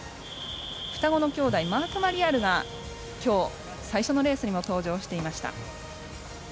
双子の兄弟マーク・マリヤールが今日最初のレースにも登場していました。